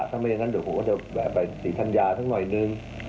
ถ้าไม่อย่างนั้นเดี๋ยวผมก็จะไปสีทันยาทั้งหน่อยหนึ่ง